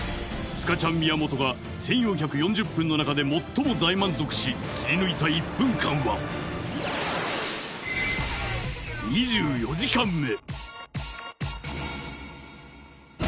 スカチャン宮本が１４４０分の中で最も大満足し切り抜いた１分間は２４時間目